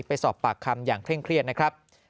ไปสอบปากคำอย่างเคร่งเครียดนะครับ